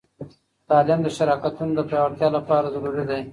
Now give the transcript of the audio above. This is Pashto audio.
تعلیم د شراکتونو د پیاوړتیا لپاره ضروری دی.